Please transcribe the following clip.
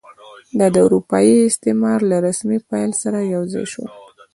دا د اروپایي استعمار له رسمي پیل سره یو ځای شول.